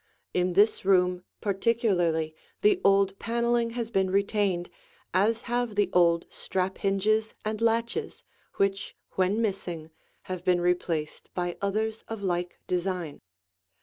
In this room particularly the old paneling has been retained, as have the old strap hinges and latches, which, when missing, have been replaced by others of like design.